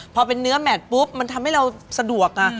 พอเป็นเนื้อแมทปุ๊บมันทำให้เราสะดวก